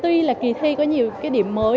tuy là kỳ thi có nhiều cái điểm mới